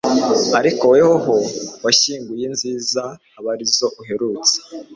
ariko wehoho washyinguye inziza aba ari zo uherutsa. »